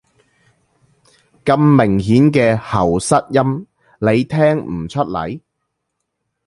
咁明顯嘅喉塞音，你聽唔出來？